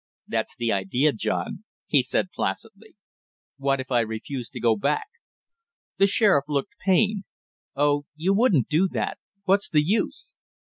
"That's the idea, John," he said placidly. "What if I refuse to go back?" The sheriff looked pained. "Oh, you won't do that what's the use?"